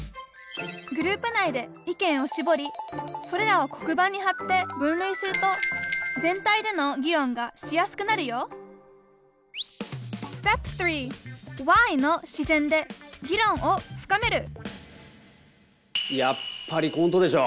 グループ内で意見をしぼりそれらを黒板に貼って分類すると全体での議論がしやすくなるよやっぱりコントでしょ！